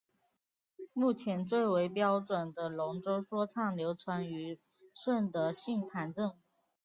目前最为标准的龙舟说唱流传于顺德杏坛镇。